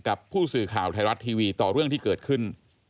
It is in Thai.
กับผู้สื่อข่าวไทยรัฐทีวีต่อเรื่องที่เกิดขึ้น